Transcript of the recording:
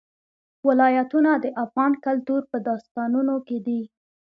ولایتونه د افغان کلتور په داستانونو کې دي.